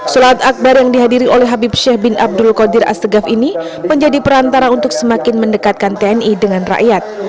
sholat akbar yang dihadiri oleh habib sheikh bin abdul qadir astegaf ini menjadi perantara untuk semakin mendekatkan tni dengan rakyat